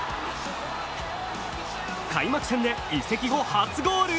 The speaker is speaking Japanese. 開幕戦で移籍後初ゴール。